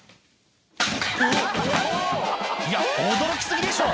いや驚き過ぎでしょ！